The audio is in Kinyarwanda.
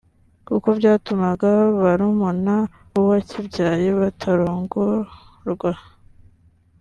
kuko byatumaga barumuna b’uwakibyaye batarongorwa